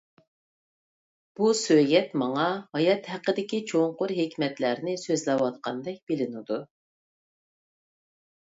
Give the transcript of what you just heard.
بۇ سۆگەت ماڭا ھايات ھەققىدىكى چوڭقۇر ھېكمەتلەرنى سۆزلەۋاتقاندەك بىلىنىدۇ.